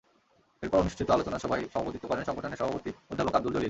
এরপর অনুষ্ঠিত আলোচনা সভায় সভাপতিত্ব করেন সংগঠনের সভাপতি অধ্যাপক আবদুল জলিল।